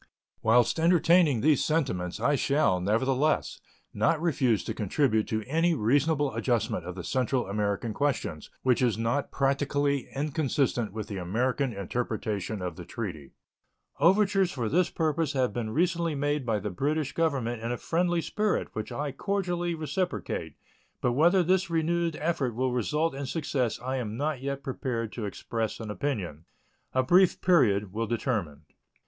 Whilst entertaining these sentiments, I shall, nevertheless, not refuse to contribute to any reasonable adjustment of the Central American questions which is not practically inconsistent with the American interpretation of the treaty. Overtures for this purpose have been recently made by the British Government in a friendly spirit, which I cordially reciprocate, but whether this renewed effort will result in success I am not yet prepared to express an opinion. A brief period will determine.